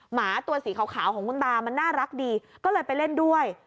หมาตัวสีขาวของคุณตามันน่ารักดีก็เลยไปเล่นด้วย